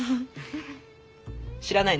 知らないの？